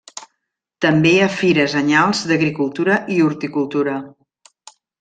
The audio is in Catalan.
També hi ha fires anyals d'agricultura i horticultura.